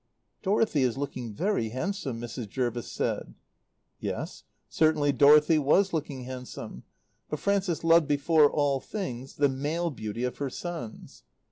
"Dorothy is looking very handsome," Mrs. Jervis said. Yes, certainly Dorothy was looking handsome; but Frances loved before all things the male beauty of her sons.